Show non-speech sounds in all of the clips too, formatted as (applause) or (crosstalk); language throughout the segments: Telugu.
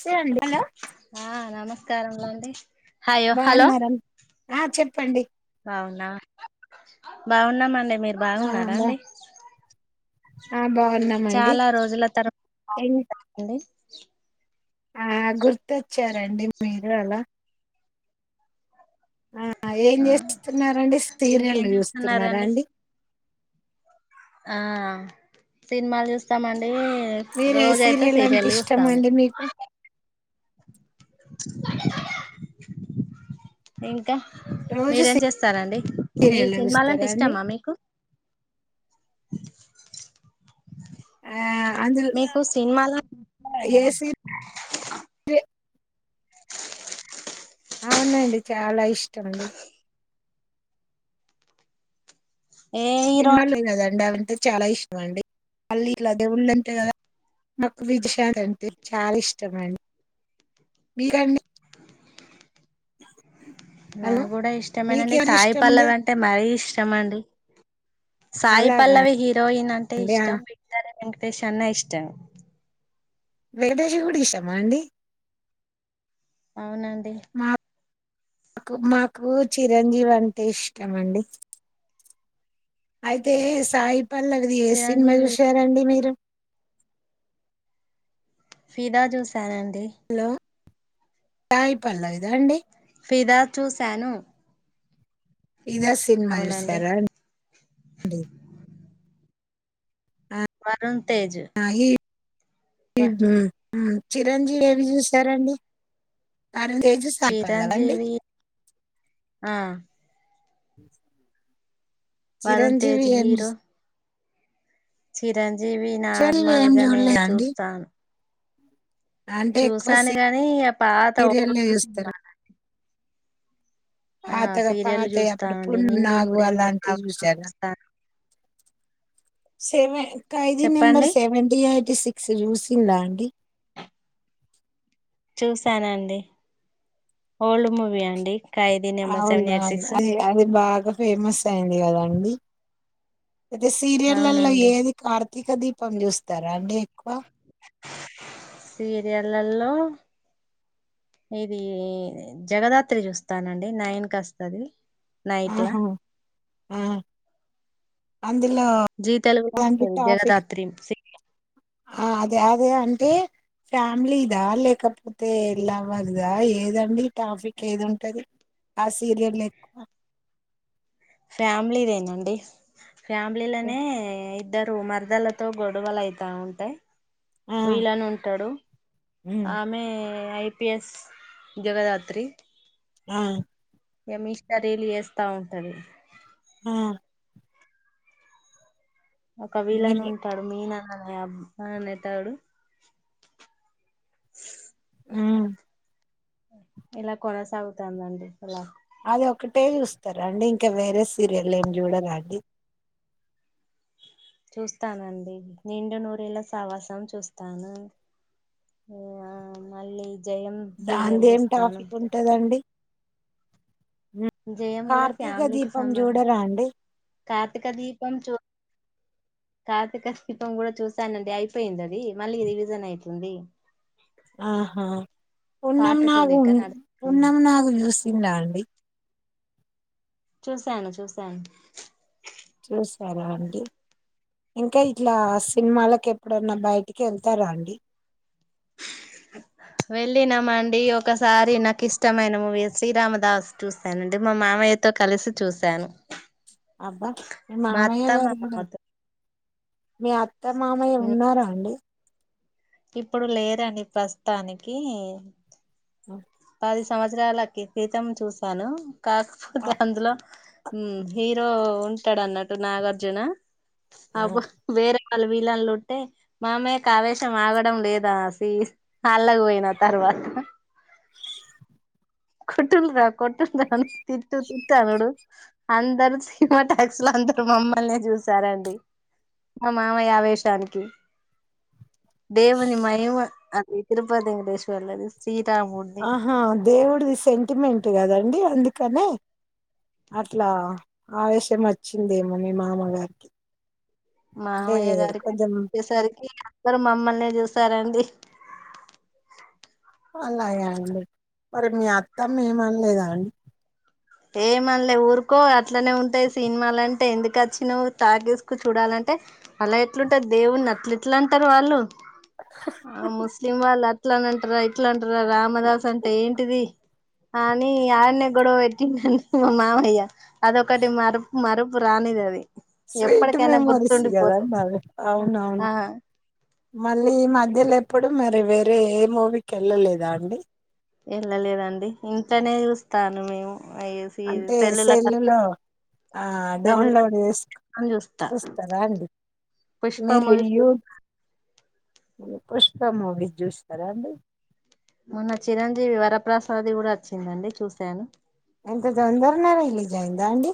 సేయండి అల్ల స్కారం లండి. బాన్నర? ఆ చెప్పండి. అవునా! బాగున్నామండీ. మీరు ఆ బాగున్నారా బా అండి? ఆ బాగున్నామండి చాలా రోజుల తరువా ఏం (unintelligible) అండి ఆ గుర్తొచ్చారండి మీరు అలా. ఆ. ఆ ఏం చేస్తున్నారు అండి? సీరియల్ ఇంకేం చూస్తున్నారా చేస్తున్నారండి అండి? ఆ సినిమాలు చూస్తామన్ టె మీరు ఏ రోజు అయితే అంటే సీరియల్ ఇష్టం చూస్తాము. అండి మీకు ఏ ఇంకా, రోజు మీరేం చేస్తారండి మీరు, సీరియల్ సినిమాలంటే చూస్తారా అండి ఇష్టమా మీకు? ఆ అందులో మీకు సినిమాల (unintelligible) ఎ అవునండి. చాలా ఇష్టం అండి. ఏ హీరో సినిమాల్లే కదండి అవంటే చాలా ఇష్టం అండి. మళ్ళీ ఇట్ల దేవుల్లంటే కదా నాకు విజశాంతి అంటే చాల ఇష్టమండి. మీ కండి? హలో నాక్కూడ ఇష్టమేనండి. మీకెవరు సాయి ఇష్టం అండి పల్లవి అంటే మరీ ఇష్టమండి. సాయి అలాగా పల్లవి హీరోయిన్ అంటే అండి. ఆ! ఇష్టం. విక్టరీ వెంకటేష్ అన్న ఇష్టమే. వెంకటేష్ కూడ ఇషమా అండి? అవునండి మాకు, మాకు చిరంజీవి అంటే ఇష్టం అండి. అయితే, సాయిపల్లవిది ఏ సినిమా చిరంజీవి చూసారండి మీరు? ఫిదా చూశారన్ హలో, సాయి పల్లవి ద అండి? ఫిదా చూశాను. ఫిదా సినిమా చూసారా అన్ డి? వరుణ్ తేజ్. వ మ్. మ్. చిరంజీవి ఏవి చూసారండి? వరుణ్ తేజ్. సాయి పల్లవ అండి? చిరంజీవి ఆ వరుణ్ చిరంజీవి తేజ్ ఏం హీరో చూస్ చిరంజీవి చిరంజీవి ఏం నార్మల్గనే జూడలేదా అండి? చూస్తాను. అంటే ఎక్కువ చూసాను గాని, ఆ పాత సీరియల్లే ఓల్డ్ జూస్తారు. సినిమాలండి. పాతగ పాతవి అప్పుడు చూస్తామండి పున్నమి నిండు నాగు నూరేళ్ల అలాంటివి కాపురం చూసార? చూస్తాను సెవెన్, ఖైదీ నెంబర్ చెప్పండి సెవెంటీ, ఎయిటీ సిక్స్, చూసిందా అండి? చూసానండి. ఓల్డ్ మూవీ అండి. ఖైదీ నెంబర్ సెవెన్ ఎయిట్ అవునవును. సిక్స్ అది అది బాగా ఫేమస్ అయింది కదండి, అయితే సీరియలల్లో అవునండి ఏది కార్ తీక దీపం చూస్తారా అండి ఎక్కువ? సీరియల్లల్లో ఇది జగదాత్రి చూస్తానండి నైన్ కస్తది నైట్ల ఆహా ఆ అందులో జీ తెలుగులో అలాంటి వస్తది టాఫి జగదాత్రి ఆ అదే అదే అంటే ఫ్యామిలీదా లేకపోతే లవర్దా ఏదండి టాఫిక్ ఏదుంటది ఆ సీరియల్ లేకు ఫ్యామిలీదేనండి ఫ్యామిలీ లనే ఇద్దరు మరదల్లతో గొడవలు అయితా ఉంటాయి ఆ వీలనుంటడు ఉమ్ ఆమె ఐ పీ ఎస్ జగదాత్రి ఆ ఇగ మీష్టా రీల్లు చేేస్తా ఉంటది ఆ ఒక మీరు విళనుంటాడు మీనా అని అబ్బా అనేటడు ఉమ్ ఇలా కొనసాగుతాందండి అలా అదొకటే చూస్తరా అండి ఇంకా వేరే సీరియల్ ఏమి జూడరా అండి చూస్తానండి నిండు నూరేళ్ళ సావాసం చూస్తాను ఓ ఆ మళ్ళీ జయం సీరియల్ దాందేం ఏం చూస్తాను టాఫిక్ ఉంటదండి జయం కూడా కార్తీక ఫ్యామిలీకి దీపం సంబంధం జూడరా అండి కార్తీక దీపం చూ కార్తీక శిపం కూడా చూశానండి అయిపొయిందది మళ్ళీ రివిజన్ అయితుంది ఆహా పున్నమ్ పార్ట్ టూ నాగు లెక్క నడుస్తుంది పున్నమ్ నాగు చూస్ తిన్నా అండి చూసాను చూసాను తరాండి ఇంకా ఇట్లా సినిమాలకు ఎప్పుడన్నా బయటికి ఎళ్తారా అండి వెళ్ళినమండి ఒకసారి నాకు ఇష్టమైన మూవీ శ్రీరామదాస్ చూసానండి మా మామయ్య తో కలిసి చూశాను అబ్బా మీ మా మామయ్య అత్త మా గారు గుడ మామతో మీ మామయ్య ఉన్నారా అండి ఇప్పుడు లేరండి ప్రస్తుతానికి ఆ పది సంవత్సరాలకి క్రితం చూసాను కాకపోతే అందులో హీరో ఉంటాడు అన్నట్టు నాగార్జున ఆ! అబ్ వేరే వాళ వీళ్లలుట్టే మామయ్య కావేశం ఆగడం లేదాసి అల్లగ పోయిన తర్వా పట్ కొట్టుల్ రా కొట్టుండ్రా అ తిట్టు తిట్టు అనుడు అందరు సీమా ట్యాక్స్ లా అందురు మమ్మల్నే జూసారండి మా మామయ్య ఆవేశానికి దేవుని మైమ అది తిరుపతి వెంకటేశ్వరులది ఆహా దేవుడిది సెంటిమెంట్ గదండి అందుకనే అట్లా ఆవేశం వచ్చిందేమో మీ మామగారికి అంటే మావయ్య గారికి కొంచెం చ్చేసరికి మమ్మల్నే జూసారండి అలాగే అండి మరి మీ అత్తమ్మ ఏమనలేదా అండి ఏమనలే ఊరుకో అట్లనే ఉంటాయి సినిమాలంటే ఎందుకచ్చినవ్ తాకీస్కు చూడాలంటే అంటే అలా ఎట్లుంటది దేవున్ని అట్లా ఎట్లా అంటారు వాళ్ళు ఆ ముస్లిం వాళ్లు అట్లనంటార ఇట్లంటన్నార రా మదాస్ అంటే ఏంటిది అని ఆన్నే గొడవ వెట్ ండి మా మామయ్య అదొకటి మరుపు మరుపు రానిదది స్వీట్ మెమొరీస్ కదా మ అవునవును ఆ మళ్ళీ ఈ మధ్యలో ఎప్పుడు మరి వేరే ఏ మూవీకి వెళ్ళలేదా అండి వెళ్ళలేదండి ఇంట్లోనే చూస్తాను మేము అయేసి సెల్లులో కొ ఆ డౌన్లోడ్ చేస్కొని చూస్తా చూస్తరా అండి పుష్ప మీరు మూవీ యూత్ పుష్ప మూవీ చూస్తారా అండి మొన్న చిరంజీవి వరప్రసాద్ కూడా వచ్చిందండి చూశాను ఎంత తొందరగా రీలీజయిందా అండి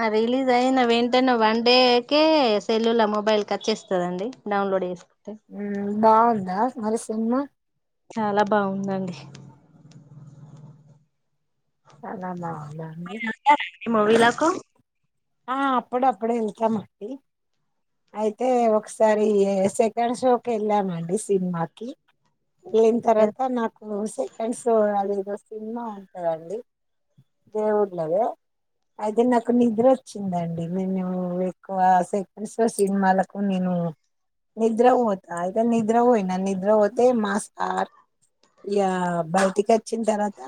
ఆ రిలీజయిన వెంటనే వన్ డేకే సెల్లులో మొబైల్కి వచ్చేస్తదండి డౌన్లోడ్ చేస్ మ్మ్ బాగుందా మరి సినిమా చాలా బాగుందండి చాలా బాగుంది (inaudible) మూవీలకు ఆ అప్పుడు అప్పుడే ఎళ్తామండి అయితే ఒకసారి సెకండ్ షోకి వెళ్ళామండి సినిమాకి (unintelligible) తర్వాత నాకు సెకండ్స్ అదేదో సినిమా ఉంటుందండి ఏ ఊర్లో అది అయితేే నాకు నిద్ర వచ్చిందండి నేను ఎక్కువ సెకండ్ షో సినిమాలకు నేను నిద్రవోత అయితే నిద్రవోయినా నిద్ర పోతే మా సార్ యా బయటికి వచ్చిన తర్వాత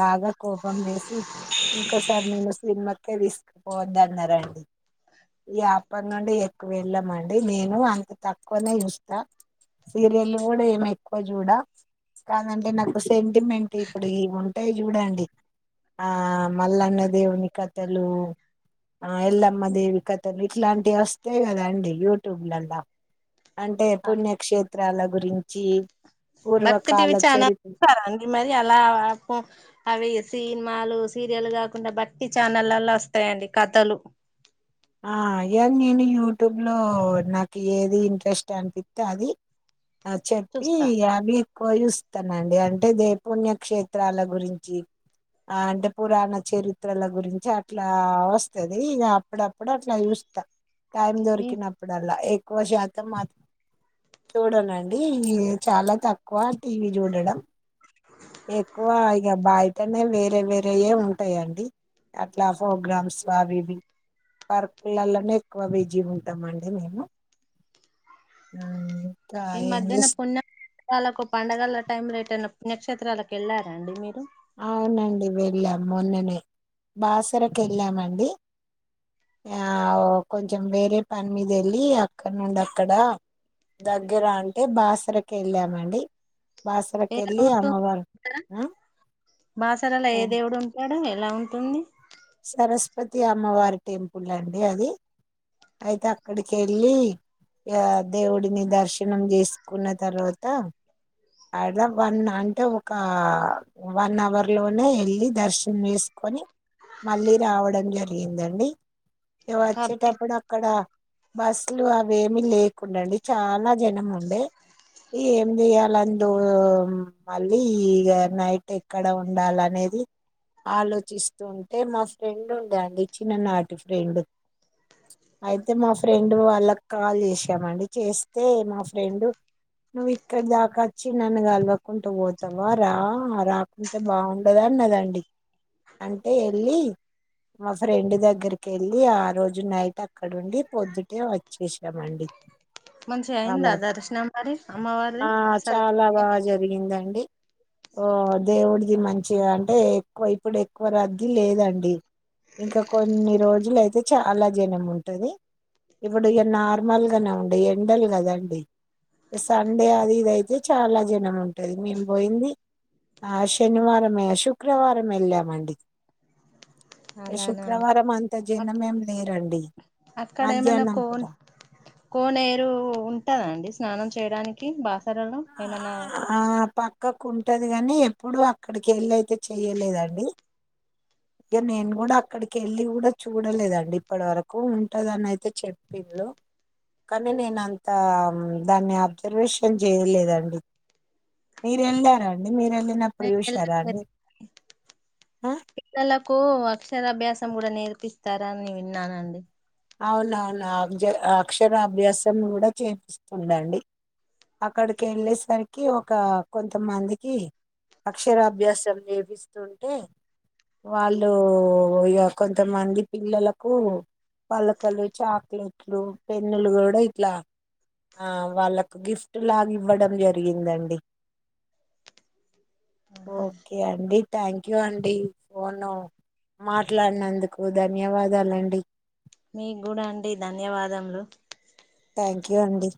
బాగా కోపం చేసి ఇంకోసారి నేను సినిమాకే తీసుకుపోవద్ద అన్నారండి ఇగ అప్పటి నుండి ఎక్కువ వెళ్ళామండి నేను అంత తక్కువనే చూస్తా సీరియల్ కూడా ఏమి ఎక్కువ చూడా కాదండి నాకు సెంటిమెంట్ ఇప్పుడు ఇవుంటాయి చూడండి ఆ మల్లన్న దేవుని కథలు ఆ ఎల్లమ్మ దేవి కథలు ఇట్లాంటివి వస్తేయి కదాండి యూట్యూబ్లలో అంటే పుణ్యక్షేత్రాల గురించి భక్తి టివి పూర్వకాల ఛానల్ చరిత్ర అ మరి అలా అవి సినిమాలు, సీరియల్ కాకుండా భక్తి ఛానల్లో వస్తాయండి కథలు ఆ అయన్ని యూట్యూబ్లో నాకు ఏది ఇంట్రెస్ట్ అనిపిస్తే అది ఆ చెప్పి చూస్తారు అవే కోయుస్తానండి అంటే దైపుణ్య క్షేత్రాల గురించి ఆ అంటే పురాణ చరిత్రల గురించి అట్లా వస్తది ఇక అప్పుడప్పు డు అట్లా చూస్తా టైం ఈ దొరికినప్పుడల్లా ఎక్కువ శాతం మాత్ చూడంనండి చాలా తక్కువ టీవీ చూడడం ఎక్కువ ఇక బయటనే వేరే వేరేయే ఉంటాయండి అట్లా ప్రోగ్రామ్స్ అవి ఇవి పర్కులలోనే ఎక్కువ బిజీ ఉంటామండి మేము మ్మ్ ఈ మధ్యన పుణ్య వాళ్ళకు పండగల టైమ్ లో రిటను పుణ్యక్షేత్రాలకు వెళ్ళారండి మీరు అవునండి వెళ్ళాం మొన్ననే బాసరకి వెళ్ళామండి ఆ కొంచెం వేరే పని మీద వెళ్ళి అక్కడ నుండి అక్కడ దగ్గర అంటే బాసర కెళ్ళామండి బాసర ఎలా కెళ్ళ ఉంటుంది అమ్మవారు అక్కడ బాసరలో ఏ ఆ దేవుడు ఉంటాడు ఎలా ఉంటుంది సరస్వతి అమ్మవారి టెంపుల్ అండి అది అయితే అక్కడి కెళ్ళి ఇక దేవుడిని దర్శనం చేసుకున్న తర్వాత అడ్ల వన్ అంటే ఒ కా వన్ అవర్ లోనే వెళ్ళి దర్శనం చేసుకొని మళ్ళీ రావడం జరిగిందండి ఇక పబ్లిక్ వచ్చేటప్పుడు అక్కడ బస్లు అవేమిీ లేకుడా అండి చాలా జనం ఉండే ఏం చెయాలందు మళ్ళీ ఇ నైట్ ఎక్కడ ఉండాలనే అది ఆలోచిస్తూ అంటే మా ఫ్రెండ్ ఉండేది అండి చిన్ననాటి ఫ్రెండ్ అయితే మా ఫ్రెండ్ వాళ్ళక్ కాల్ చేసామండి చేస్తే మా ఫ్రెండు నువ్వు ఇక్కడ్ దాక వచ్చి నన్ను కలవకుంటూ పోతావ రా రాకుంటే బాగుండద ఉన్నదండి అంటే వెళ్ళి మా ఫ్రెండ్ దగ్గరికి వెళ్ళి ఆ రోజు నైట్ అ అక్కడ ఉండి పొద్దుటే వచ్చేసినమండి మంచిగా ఆల్ల అయిందా దర్శనం మరి అమ్మవారిది ఆ చాల సరస్వతి బాగ జరిగిందండి ఓ దేవుడిది మంచిగా అంటే ఎక్కువ ఇప్పుడు ఎక్కువ రద్ ది లేదండి ఇంకా కొన్ని రోజులు అయితే చాల జనం ఉంటది ఇప్పుడు ఇక నార్మల్గానే ఉండు ఎండల్ కదండి సండే అది ఇదయితే చాల జనం ఉంటది మేము పోయింది ఆ శనివారమే శుక్రవారమేల్లాం మండి ఎ అలానా శుక్రవారం అంత అక్ జనమేమ్ లేరండి అక్కడ ఏమైనా మధ్యాహ్నం పూట కోన్ కోనేరు ఉంటదండి స్నానం చేయడానికి బాసరలో ఏమన్నా పక్కకుంటది గానీ ఎప్పుడు అక్కడి కెళ్ళి అయితే చెయ్యలేదండి ఇక నేను కూడ అక్కడికి వెళ్ళి కూడా చూడలేదండి ఇప్పటి వరకు ఉంటదని అయితే చెప్పింది హలో కానీ నేనంత దాన్ని అబ్జర్వేషన్ చేయలేదండి మీరు వెళ్ళారా అండి మీరు వెళ్ళినప్పుడు చూసార అండి కో అక్షరాభ్యాసం కూడ నేర్పిస్తార అని విన్నానండి అవునవును అ అక్షరాభ్యాసం కూడ చేపిస్తుండండి అక్కడి కెళ్ళేసరికి ఒక కొంతమందికి అక్షర అభ్యాసం చేపిస్తుంటే వాళ్ళు ఇగ కొంతమంది పిల్లలకు పలకలు చాక్లెట్లు పెన్నులు కూడ ఇట్లా ఆ వాళ్ళకు గిఫ్ట్ లాగ ఇవ్వడం జరిగిందండి ఓకే అండి థ్యాంక్ యూ అండి ఫోను మాట్లాడినందుకు ధన్యవాదాలండి మీక్ గూడా అండి ధన్యవాదములు థ్యాంక్ యూ అండి